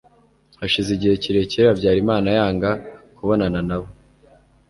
hashize igihe kirekire habyarimana yanga kubonana na bo